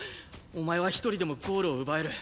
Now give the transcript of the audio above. お前は１人でもゴールを奪える。